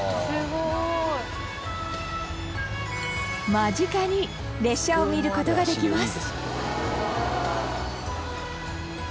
間近に列車を見る事ができます